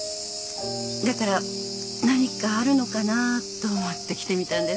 だから何かあるのかなと思って来てみたんですけど。